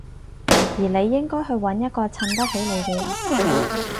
而你應該去搵一個襯得起你嘅人